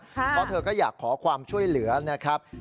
เพราะเธอก็อยากขอความช่วยเหลือนะครับ